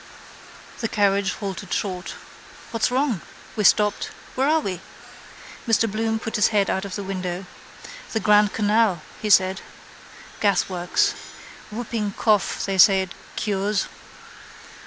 The carriage halted short. —What's wrong? —We're stopped. —Where are we? Mr Bloom put his head out of the window. —The grand canal, he said. Gasworks. Whooping cough they say it cures.